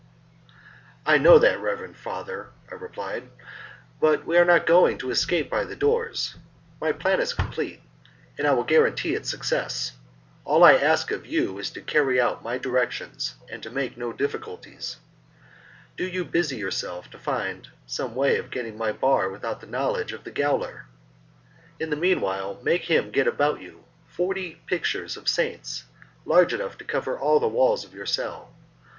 "I know that, reverend father," I replied, "but we are not going to escape by the doors. My plan is complete, and I will guarantee its success. All I ask of you is to carry out my directions, and to make no difficulties. Do you busy yourself to find out some way of getting my bar without the knowledge of the gaoler. In the meanwhile, make him get you about forty pictures of saints, large enough to cover all the walls of your cell.